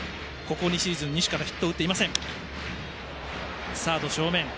ここ２シーズン、西からヒットを打っていません。